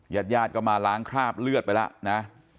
ญาติญาติก็มาล้างคราบเลือดไปแล้วนะ